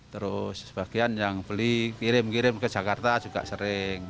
terus sebagian yang beli kirim kirim ke jakarta juga sering